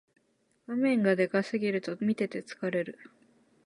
画面がでかすぎると見てて疲れる